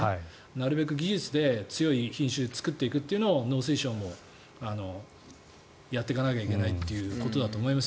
なるべく技術で強い品種を作っていくというのを農水省もやっていかなきゃいけないということだと思います。